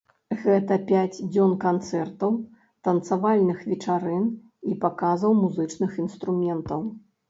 Гэта пяць дзён канцэртаў, танцавальных вечарын і паказаў музычных інструментаў.